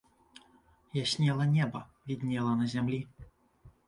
Яснела неба, вiднела на зямлi.